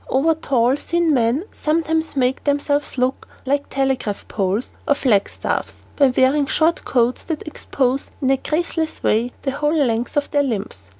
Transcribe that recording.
Over tall, thin men sometimes make themselves look like telegraph poles or flagstaffs by wearing short coats that expose in a graceless way the whole length of their limbs.